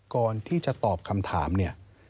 ก่อนที่จะตอบคำถามเนี่ย